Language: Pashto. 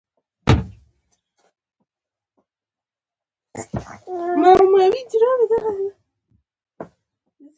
هلته سمندري غله هم وي.